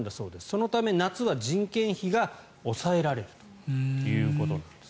そのため、夏は人件費が抑えられるということです。